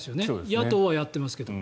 野党はやってますけど。